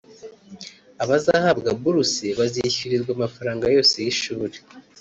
Abazahabwa buruse bazishyurirwa amafaranga yose y’ishuri